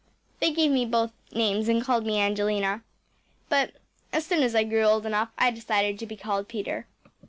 They gave me both names and called me Angelina, but as soon as I grew old enough I decided to be called Peter.